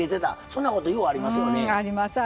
そんなこと、ようありますよね。